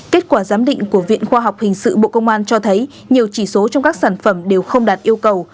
kết quả giám định của viện khoa học hình sự bộ công an cho thấy nhiều chỉ số trong các sản phẩm đều không đạt yêu cầu